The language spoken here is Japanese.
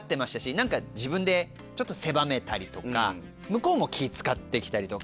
何か自分でちょっと狭めたりとか向こうも気使って来たりとか。